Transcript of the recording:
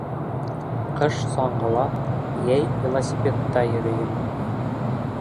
Ҡыш — саңғыла, йәй велосипедта йөрөйөм.